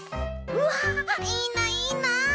うわいいないいな。